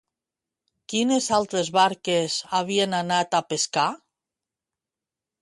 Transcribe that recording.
Quines altres barques havien anat a pescar?